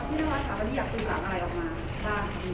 อยากศึกษาอะไรออกมา